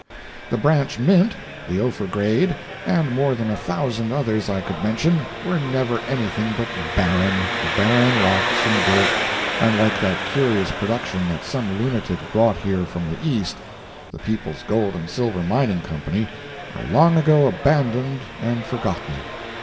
The "Branch Mint," the "Ophir Grade," and more than a thousand others I could mention, were never anything but barren, barren rocks and dirt, and like that curious production that some lunatic brought here from the East, (the "People's Gold and Silver Mining Company") are long ago abandoned and forgotten.